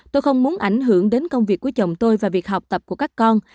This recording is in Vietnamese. tôi không muốn ảnh hưởng đến công việc của chồng tôi và việc học tập của các con